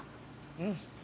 うん。